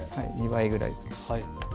２倍くらいです。